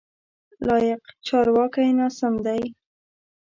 لایق: چارواکی ناسم دی.